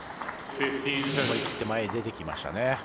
思い切って前に出てきましたね。